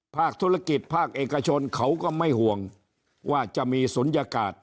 ภาคธุรกิจภาคเอกชนเขาก็ไม่ห่วงว่าจะมีศูนยากาศ